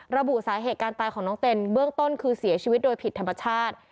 ระบุสาเหตุการตายของน้องเต้นเบื้องต้นคือเสียชีวิตโดยผิดธรรมชาติ